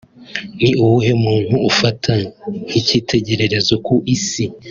Ni uwuhe muntu ufata nk’icyitegererezo ku isi